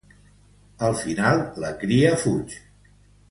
Al final, la cria fuig.